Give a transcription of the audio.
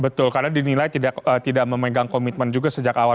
betul karena dinilai tidak memegang komitmen juga sejak awal